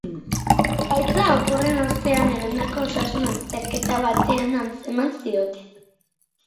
Gaitza oporren ostean egindako osasun-azterketa batean antzeman zioten.